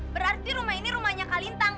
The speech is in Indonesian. berarti rumah ini rumahnya kak lintang